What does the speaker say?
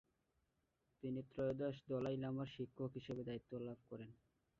তিনি ত্রয়োদশ দলাই লামার শিক্ষক হিসেবে দায়িত্ব লাভ করেন।